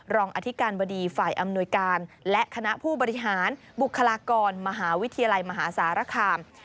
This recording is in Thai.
รองอธิการบดีฝ่ายอำนวยการและคณะผู้บริหารบุคลากรมหาวิทยาลัยมหาสารคาม